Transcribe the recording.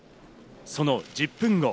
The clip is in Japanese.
その１０分後。